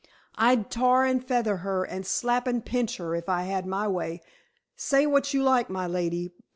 I'd tar and feather her and slap and pinch her if I had my way, say what you like, my lady.